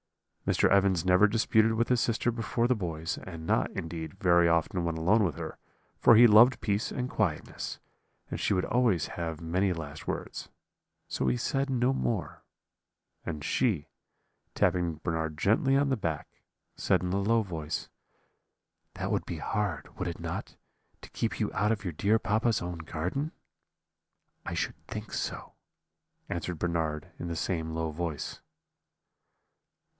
"Mr. Evans never disputed with his sister before the boys, and not, indeed, very often when alone with her, for he loved peace and quietness, and she would always have many last words; so he said no more; and she, tapping Bernard gently on the back, said, in a low voice: "'That would be hard, would not it, to keep you out of your dear papa's own garden?' "'I should think so,' answered Bernard, in the same low voice.